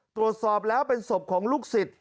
ตรวจสอบแล้วเป็นศพของลูกศิษย์